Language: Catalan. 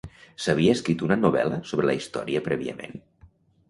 S'havia escrit una novel·la sobre la història prèviament?